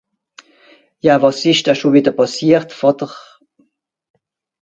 Ja, wàs ìsch denn schùn wìdder pàssiert, Vàter ?